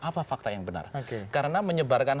apa fakta yang benar karena menyebarkan